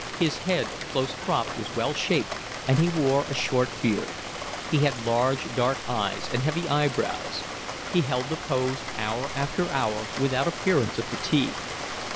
His head, close cropped, was well shaped, and he wore a short beard; he had large, dark eyes and heavy eyebrows. He held the pose hour after hour without appearance of fatigue.